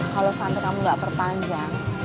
kalau sampai kamu gak perpanjang